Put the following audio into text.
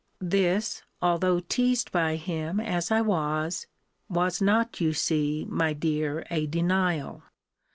This, although teased by him as I was, was not, you see, my dear, a denial.